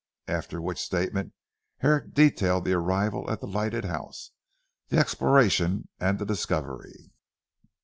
After which statement Herrick detailed the arrival at the lighted house, the exploration and the discovery.